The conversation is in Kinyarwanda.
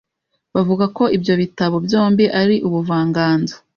bavuga ko ibyo bitabo byombi ari ubuvanganzo